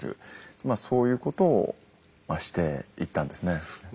まあそういうことをしていったんですね。